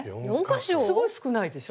すごい少ないでしょ？